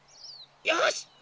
よし！